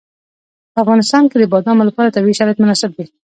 په افغانستان کې د بادامو لپاره طبیعي شرایط مناسب دي.